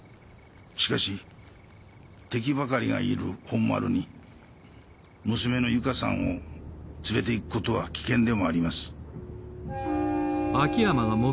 しかし敵ばかりがいる本丸に娘の由香さんを連れていくことは危険でもあります